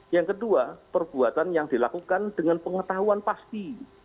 yang kedua perbuatan yang dilakukan dengan pengetahuan pasti